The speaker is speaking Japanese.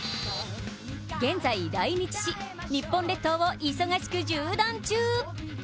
現在来日し、日本列島を忙しく縦断中。